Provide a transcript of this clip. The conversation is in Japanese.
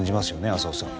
浅尾さん。